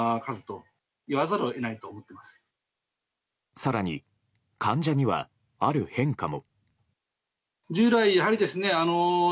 更に患者には、ある変化も。